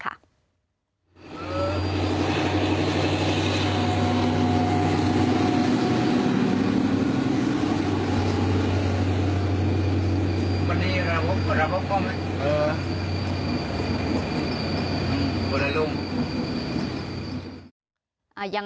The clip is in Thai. ก็เลยลง